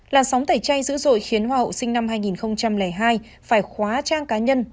làn sóng tẩy chay dữ dội khiến hoa hậu sinh năm hai nghìn hai phải khóa trang cá nhân